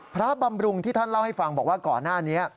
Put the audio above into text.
บำรุงที่ท่านเล่าให้ฟังบอกว่าก่อนหน้านี้